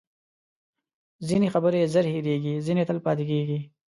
ځینې خبرې زر هیرېږي، ځینې تل پاتې کېږي.